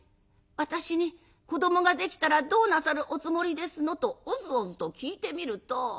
私に子どもができたらどうなさるおつもりですの？」とおずおずと聞いてみると。